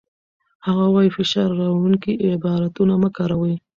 هغه وايي، فشار راوړونکي عبارتونه مه کاروئ.